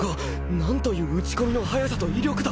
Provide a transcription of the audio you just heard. なんという打ち込みの速さと威力だ。